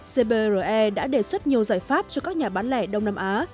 cbre đã đề xuất nhiều giải pháp cho các nhà bán lẻ đông nam á